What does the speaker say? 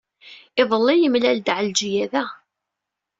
Iḍelli, yemlal-d Ɛelǧiya da.